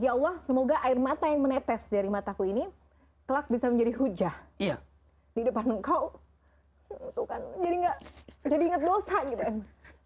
ya allah semoga air mata yang menetes dari mataku ini kelak bisa menjadi hujah di depan engkau jadi enggak jadi inget dosa gitu kan